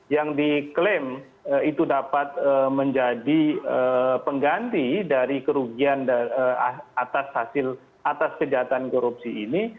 yang diklaim itu dapat menjadi pengganti dari kerugian atas kejahatan korupsi ini